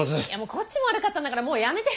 こっちも悪かったんだからもうやめて！